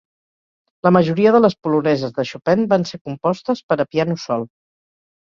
La majoria de les poloneses de Chopin van ser compostes per a piano sol.